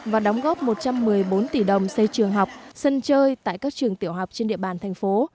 và đóng góp một trăm một mươi bốn tỷ đồng xây trường học sân chơi tại các trường tiểu học trên địa bàn thành phố